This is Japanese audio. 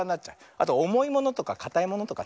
あとおもいものとかかたいものとか。